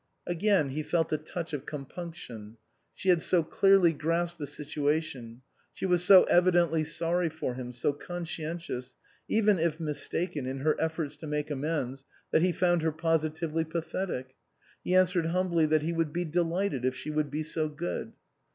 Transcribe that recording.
Again he felt a touch of compunction. She had so clearly grasped the situation ; she was so evidently sorry for him, so conscientious, even if mistaken, in her efforts to make amends, that he found her positively pathetic. He answered humbly that he would be delighted if she would be so good.